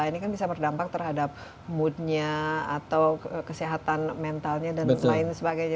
ini kan bisa berdampak terhadap moodnya atau kesehatan mentalnya dan lain sebagainya